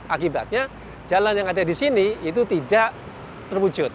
akibatnya jalan yang ada di sini itu tidak terwujud